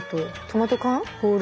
トマト缶？